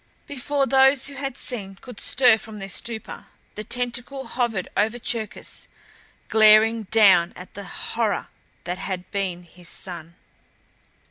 Before those who had seen could stir from their stupor the tentacle hovered over Cherkis, glaring down at the horror that had been his son.